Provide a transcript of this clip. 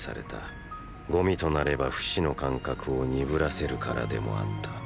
ゴミとなればフシの感覚を鈍らせるからでもあった。